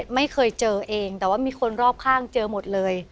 ไม่เคยเจอเองแต่ว่ามีคนรอบข้างเจอหมดเลย